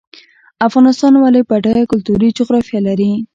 افغانستان ولې بډایه کلتوري جغرافیه لري؟